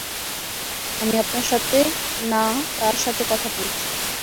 আমি আপনার সাথে না তার সাথে কথা বলছি।